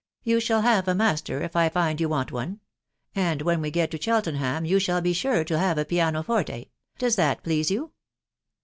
..• You shall have a master, if I find you want one ; and when we get to Cheltenham, you shall he sure to have a piano forte. Does that please you